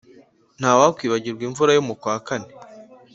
ntawakwibagirwa imvura yo mu kwakane